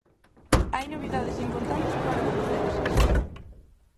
Hai novidades importantes para os lucenses.